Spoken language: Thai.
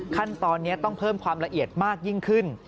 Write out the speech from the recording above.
ขั้นตอนนี้ต้องเพิ่มความละเอียดมากยิ่งขึ้น